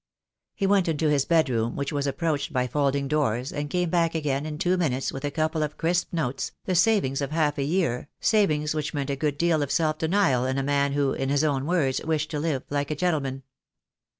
He went into his bedroom, which was approached by folding doors, and came back again in two minutes with a couple of crisp notes, the savings of half a year, sav ings which meant a good deal of self denial in a man who in his own words wished to live like a gentleman.